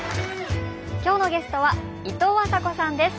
今日のゲストはいとうあさこさんです。